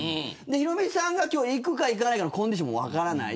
ヒロミさんが行くか行かないのかのコンディションも分からない。